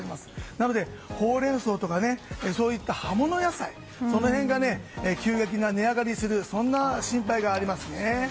なので、ホウレンソウとかそういった葉物野菜その辺が急激な値上がりする心配がありますね。